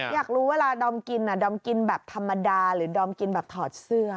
อยากรู้เวลาดอมกินดอมกินแบบธรรมดาหรือดอมกินแบบถอดเสื้อ